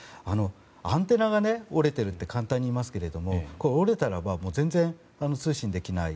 アンテナが折れていると簡単に言いますけれども折れたらば全然通信できない。